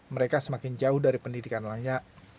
mereka semakin jauh dari pendidikan layak